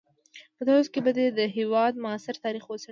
په دې لوست کې به د دې هېواد معاصر تاریخ وڅېړو.